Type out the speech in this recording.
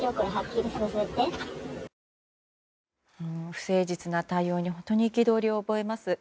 不誠実な対応に本当に憤りを覚えます。